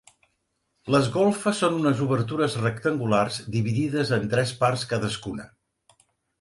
Les golfes són unes obertures rectangulars dividides en tres parts cadascuna.